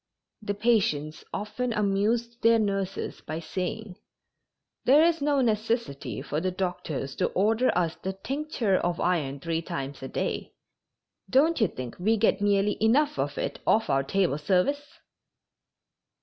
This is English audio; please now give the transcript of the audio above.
The patients often amused their nurses by saying: "There is no necessity for the doctors to order us the tincture of iron three times a day; don't you think we get nearly enough of it off our table service?"